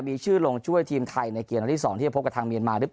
มีชื่อลงช่วยทีมไทยในเกียรติที่๒ที่พบกับทางเมียนมาหรือ